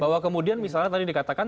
bahwa kemudian misalnya tadi dikatakan